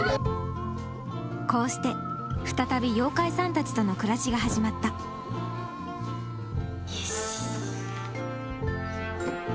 こうして再び妖怪さんたちとの暮らしが始まったよしっ！